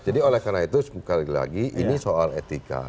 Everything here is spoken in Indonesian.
jadi oleh karena itu sekali lagi ini soal etika